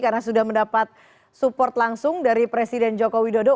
karena sudah mendapat support langsung dari presiden joko widodo